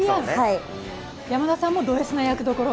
山田さんもドＳな役どころ？